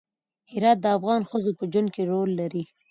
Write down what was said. هرات د افغان ښځو په ژوند کې رول لري.